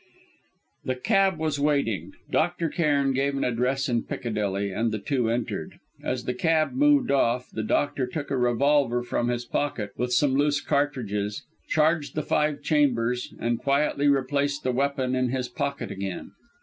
The cab was waiting. Dr. Cairn gave an address in Piccadilly, and the two entered. As the cab moved off, the doctor took a revolver from his pocket, with some loose cartridges, charged the five chambers, and quietly replaced the weapon in his pocket again.